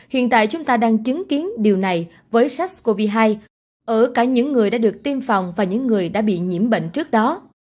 hiện tại chúng ta đang chứng kiến điều này với sars cov hai ở cả những người đã được tiêm phòng và những người đã bị nhiễm bệnh trước đó